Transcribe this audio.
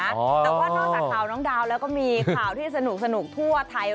แต่ว่านอกจากข่าวน้องดาวแล้วก็มีข่าวที่สนุกทั่วไทย